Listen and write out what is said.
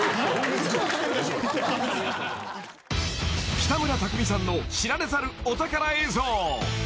［北村匠海さんの知られざるお宝映像］